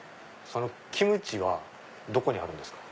そのキムチはどこにあるんですか？